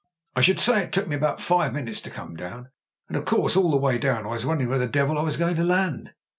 I should say it took me about five min utes to come down; and of course all the way down I was wondering where the devil I was going to land.